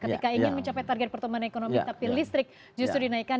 ketika ingin mencapai target pertumbuhan ekonomi tapi listrik justru dinaikkan